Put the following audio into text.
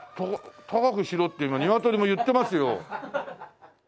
高くしろって今ニワトリも言ってますよ。